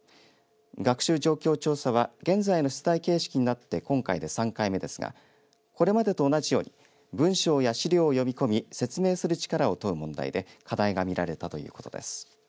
学習状況調査は現在の出題形式になって今回で３回目ですがこれまでと同じように文章や資料を読み込み説明する力を問う問題で課題が見られたということです。